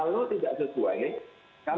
kalau tidak sesuai kami jawab